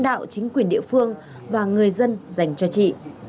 đạo chính quyền địa phương và người dân dành cho chị